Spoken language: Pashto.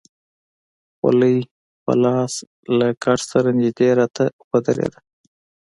خولۍ په لاس له کټ سره نژدې راته ودرېد.